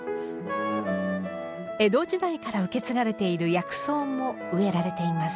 江戸時代から受け継がれている薬草も植えられています。